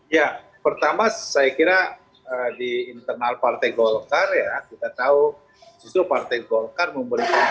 ya pertama saya kira di internal partai golkar ya kita tahu justru partai golkar memberikan